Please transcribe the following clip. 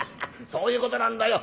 そういうことなんだよ。